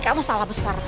kamu salah besar